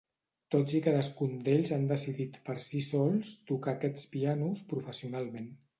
Tots i cadascun d'ells han decidit per si sols tocar aquests pianos professionalment.